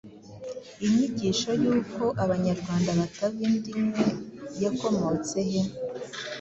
Inyigisho y’uko Abanyarwanda batava inda imwe yakomotse he?